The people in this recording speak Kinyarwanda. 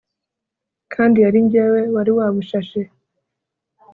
kandi yaringewe wari wabushashe!